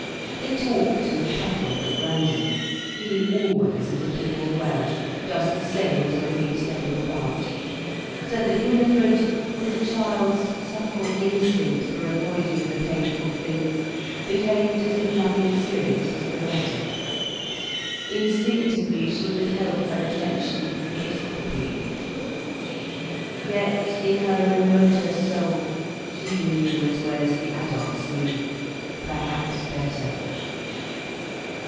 They talked and prattled at random, he always as if he were well, just the same as when he was going about. So that Winifred, with a child's subtle instinct for avoiding the painful things, behaved as if nothing serious was the matter. Instinctively, she withheld her attention, and was happy. Yet in her remoter soul, she knew as well as the adults knew: perhaps better.